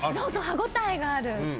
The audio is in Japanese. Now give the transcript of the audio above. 歯応えがある。